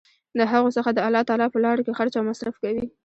د هغو څخه د الله تعالی په لاره کي خرچ او مصر ف کوي